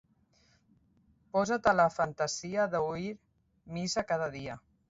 Posa't a la fantasia d'oir missa cada dia.